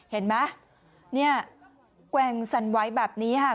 เห็นมั้ยแกวงสันไว้แบบนี้ครับ